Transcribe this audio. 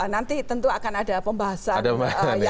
nanti tentu akan ada pembahasan yang